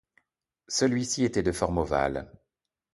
Celui-ci était de forme ovale.